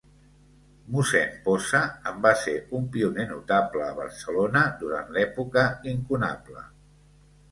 Mossèn Posa en va ser un pioner notable a Barcelona durant l'època incunable.